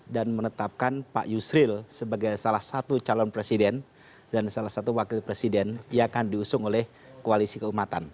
dan menetapkan pak yusril sebagai salah satu calon presiden dan salah satu wakil presiden yang akan diusung oleh koalisi keumatan